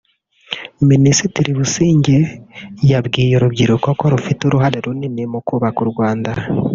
Minisitiri Busingye yabwiye uru rubyiruko ko rufite uruhare runini mu kubaka u Rwanda